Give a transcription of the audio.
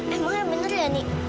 emang bener ya nek